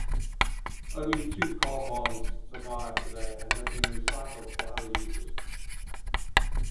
Only two carbarns survived today and have been recycled for other uses.